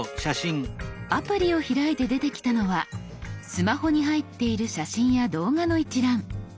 アプリを開いて出てきたのはスマホに入っている写真や動画の一覧。